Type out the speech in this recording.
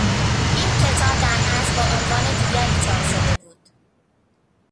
این کتاب در اصل با عنوان دیگری چاپ شده بود.